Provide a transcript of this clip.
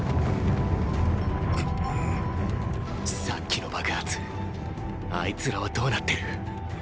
さっきの爆発あいつらはどうなってる。